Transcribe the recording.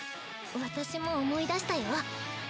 私も思い出したよ。